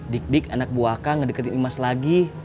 dik dik anak buah kang ngedeketin imas lagi